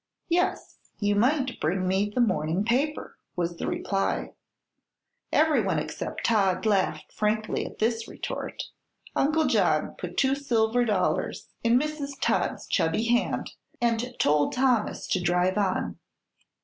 "Yes; you might bring me the morning paper," was the reply. Everyone except Todd laughed frankly at this retort. Uncle John put two silver dollars in Mrs. Todd's chubby hand and told Thomas to drive on.